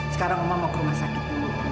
sekarang oma mau ke rumah sakit